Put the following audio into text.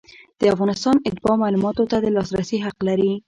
د افغانستان اتباع معلوماتو ته د لاسرسي حق لري.